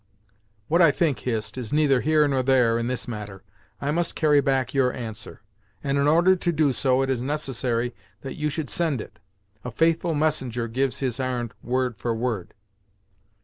"What I think, Hist, is neither here nor there in this matter. I must carry back your answer, and in order to do so it is necessary that you should send it. A faithful messenger gives his ar'n'd, word for word."